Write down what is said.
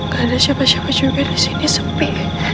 gak ada siapa siapa juga disini sepi